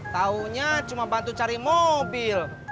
tahunya cuma bantu cari mobil